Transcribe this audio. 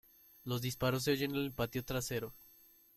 Los disparos se oyen en el patio trasero.